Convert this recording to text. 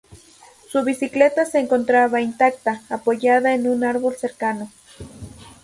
Su bicicleta se encontraba intacta, apoyada en un árbol cercano.